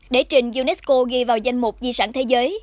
để trình unesco ghi vào danh mục di sản thế giới